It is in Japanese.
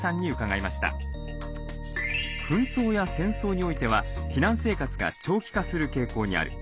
紛争や戦争においては避難生活が長期化する傾向にある。